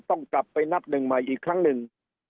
ต้องกลับไปนับหนึ่งใหม่อีกครั้งหนึ่ง